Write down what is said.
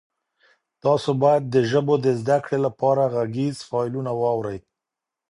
تاسي باید د ژبو د زده کړې لپاره غږیز فایلونه واورئ.